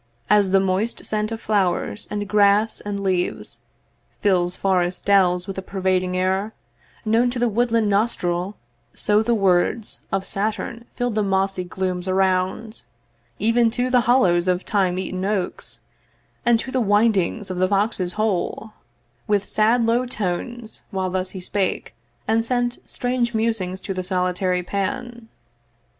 As the moist scent of flowers, and grass, and leaves Fills forest dells with a pervading air, Known to the woodland nostril, so the words Of Saturn fill'd the mossy glooms around, Even to the hollows of time eaten oaks And to the windings of the foxes' hole, With sad low tones, while thus he spake, and sent Strange musings to the solitary Pan.